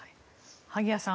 萩谷さん